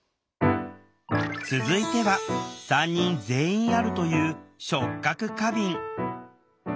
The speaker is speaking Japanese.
続いては３人全員あるという「触覚過敏」。